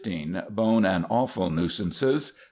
Bone and offal nuisances.